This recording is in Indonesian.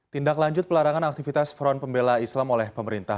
tindak lanjut pelarangan aktivitas front pembela islam oleh pemerintah